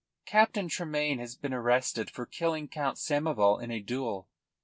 Captain Tremayne has been arrested for killing Count Samoval in a duel.